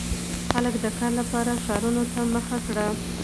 • خلک د کار لپاره ښارونو ته مخه کړه.